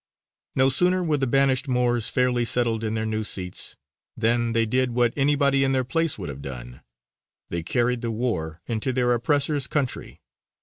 No sooner were the banished Moors fairly settled in their new seats than they did what anybody in their place would have done: they carried the war into their oppressors' country.